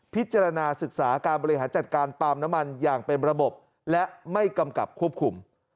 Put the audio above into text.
พิจารณาศึกษาการบริหารจัดการปาล์มน้ำมันอย่างเป็นระบบและไม่กำกับควบคุม